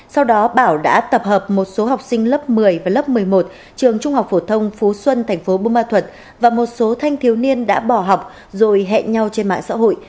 sau đó bảo đã tập hợp một số học sinh lớp một mươi và lớp một mươi một trường trung học phổ thông phú xuân thành phố bù ma thuật và một số thanh thiếu niên đã bỏ học rồi hẹn nhau trên mạng xã hội